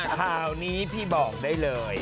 ข่าวนี้พี่บอกได้เลย